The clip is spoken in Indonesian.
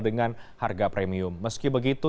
dengan harga premium meski begitu